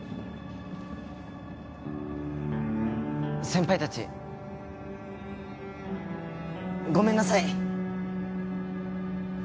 先輩たちごめんなさい！